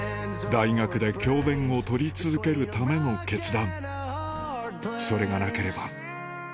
大学で教鞭を執り続けるための決断